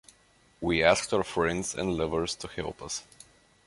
We asked our friends and lovers to help us.